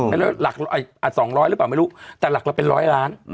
อ่ะ๒๐๐ล้านหรือเปล่าไม่รู้แต่หลักละเป็น๑๐๐ล้าน